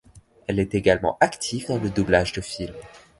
Elle est également active dans le doublage de film.